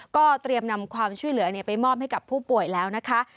ก็เตรียมนำความช่วยเหลือไปมอบให้กับผู้ป่วยแล้วนะคะ